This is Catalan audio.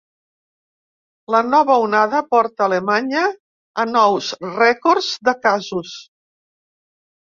La nova onada porta Alemanya a nous rècords de casos.